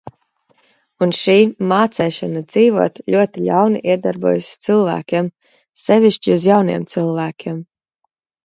"Un šī "mācēšana" dzīvot ļoti ļauni iedarbojās uz cilvēkiem, sevišķi uz jauniem cilvēkiem."